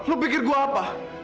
lu pikir gua apa